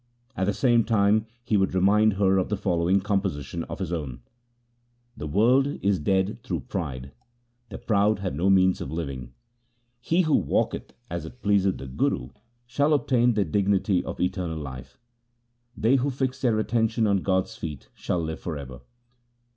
At the same time he would remind her of the following composition of his own :— The world is dead through pride, the proud have no means of living. He who walketh as it pleaseth the Guru, shall obtain the dignity of eternal life. They who fix their attention on God's feet shall live for ever.